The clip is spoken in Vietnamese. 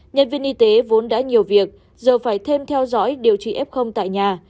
nhân viên y tế vốn đã nhiều việc giờ phải thêm theo dõi điều trị f tại nhà